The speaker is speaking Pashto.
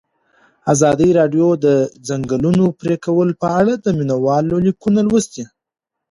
ازادي راډیو د د ځنګلونو پرېکول په اړه د مینه والو لیکونه لوستي.